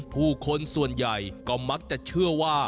ผู้คนส่วนใหญ่ก็มักจะเชื่อว่า